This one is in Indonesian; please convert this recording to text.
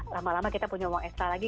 lama lama kita punya uang sk lagi